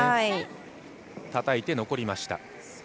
たたいて、残りました。